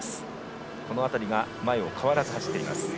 この辺りが前を走っています。